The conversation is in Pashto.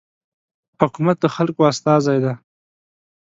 حکومت د خلکو استازی دی.